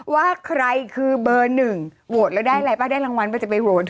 ว่าใครคือเบอร์๑โวกแล้วได้อะไรปะได้รางวัลหรือเปล่าไปโวด